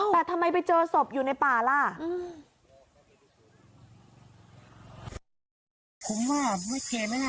แต่ทำไมไปเจอศพอยู่ในป่าล่ะ